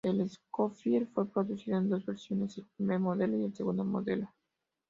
El Schofield fue producido en dos versiones, el Primer Modelo y el Segundo Modelo.